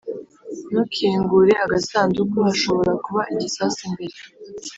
ntukingure agasanduku. hashobora kuba igisasu imbere.